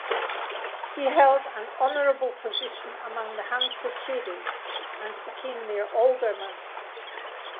He held an honorable position among the Hanse traders, and became their alderman.